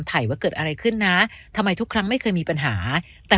ถ่ายว่าเกิดอะไรขึ้นนะทำไมทุกครั้งไม่เคยมีปัญหาแต่